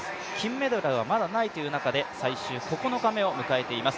金メダルがまだないという中で最終９日目を迎えています。